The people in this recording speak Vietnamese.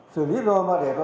xử lý lơ mà để tôn tạo